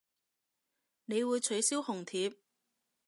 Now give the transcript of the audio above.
你會取消紅帖